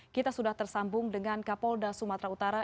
kita sudah tersambung dengan kapolda sumatera utara